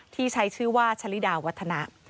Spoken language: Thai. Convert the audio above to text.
ที่ใช้ชื่อว่าชะลิดาวัฒนะ